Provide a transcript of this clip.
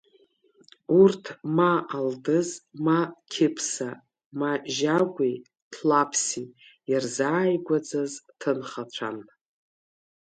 Урҭ ма Алдыз, ма Кыԥса, ма Жьагәеи Ҭлаԥси ирзааигәаӡаз ҭынхацәан.